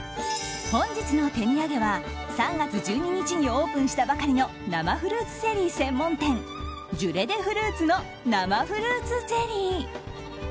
本日の手土産は３月１２日にオープンしたばかりの生フルーツゼリー専門店ジュレデフルーツの生フルーツゼリー。